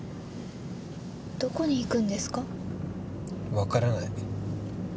わからない。